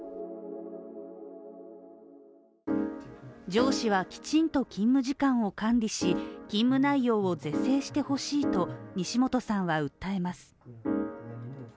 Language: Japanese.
上司はきちんと勤務時間を管理し、勤務内容を是正してほしいと西本さんは訴えます。